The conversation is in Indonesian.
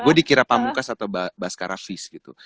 gue dikira pamungkas atau baskara fis gitu